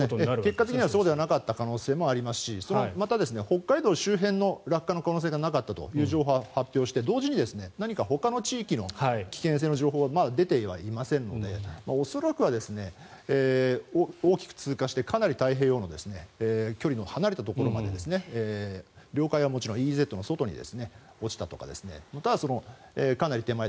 結果的にはそうではなかった可能性もありますしまた、北海道周辺の落下の可能性がなかったという情報を発表して同時に何かほかの地域の危険性の情報は出てはいませんので恐らくは大きく通過してかなり太平洋の距離の離れたところまで領海はもちろんＥＥＺの外に落ちたとかまたはかなり手前